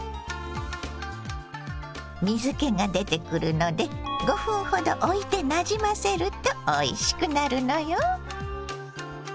水けが出てくるので５分ほどおいてなじませるとおいしくなるのよ。